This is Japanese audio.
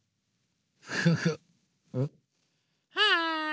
はい。